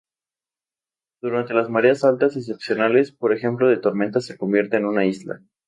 Durante las mareas altas excepcionales, por ejemplo de tormentas, se convierte en una isla.